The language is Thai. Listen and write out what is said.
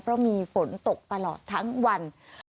เพราะมีฝนตกตลอดทั้งวัน